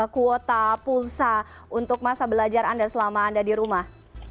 kuota pulsa untuk masa belajar anda selama anda di rumah